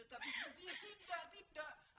tapi sebetulnya tidak tidak